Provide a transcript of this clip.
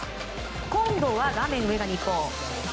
今度は画面上が日本。